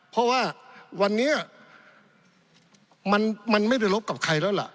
เพราะว่าวันนี้มันไม่ได้ลบกับใครแล้วล่ะ